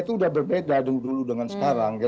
itu sudah berbeda dulu dengan sekarang